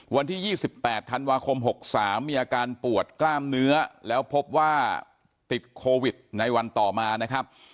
วันที่๒๘ธันวาคม๖๓มีอาการปวดกล้ามเนื้อแล้วพบว่าติดโควิดในวันต่อมานะครับ